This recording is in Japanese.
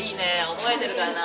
覚えてるかな？